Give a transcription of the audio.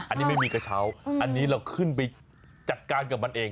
อันนี้ไม่มีกระเช้าอันนี้เราขึ้นไปจัดการกับมันเอง